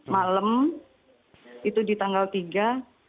malam itu di tanggal tiga